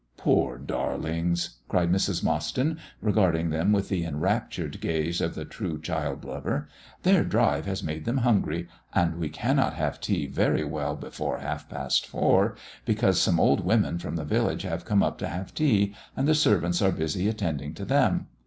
"Poor darlings!" cried Mrs. Mostyn, regarding them with the enraptured gaze of the true child lover; "their drive has made them hungry; and we cannot have tea very well before half past four, because some old women from the village have come up to have tea, and the servants are busy attending to them.